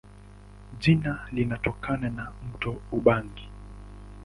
Jina linatokana na mto Ubangi.